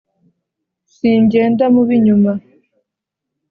singenda mu b'inyuma,